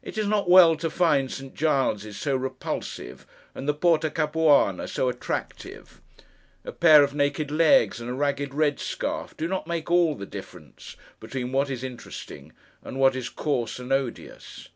It is not well to find Saint Giles's so repulsive, and the Porta Capuana so attractive. A pair of naked legs and a ragged red scarf, do not make all the difference between what is interesting and what is coarse and odious?